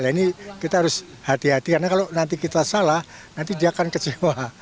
nah ini kita harus hati hati karena kalau nanti kita salah nanti dia akan kecewa